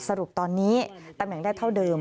สรุปตอนนี้ตำแหน่งได้เท่าเดิม